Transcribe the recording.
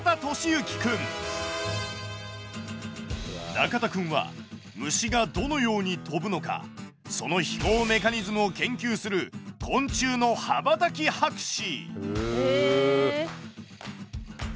中田くんは虫がどのように飛ぶのかその飛行メカニズムを研究する昆虫の羽ばたき博士。